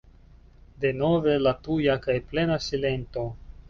Denove la tuja kaj plena silento!